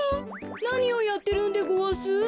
なにをやってるんでごわす？